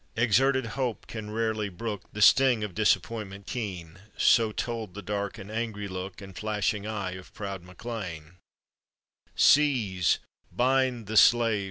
Exerted hope can rarely brook The sting of disappointment keen ; So told the dark and angry look And flashing eye of proud MacLean. "Seize, bind the slave!